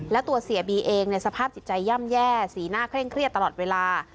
และตัวเสียบีเองในสภาพจิตใจย่ำแย่สีหน้าเคร่งเครียดตลอดเวลา